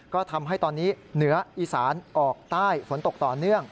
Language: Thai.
ก็ทำให้ตอนนี้เหนืออีสานออกใต้ฝนตกต่อเนื่อง